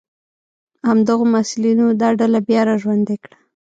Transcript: همدغو محصلینو دا ډله بیا را ژوندۍ کړه.